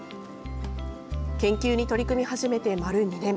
研究に取り組み始めて丸２年。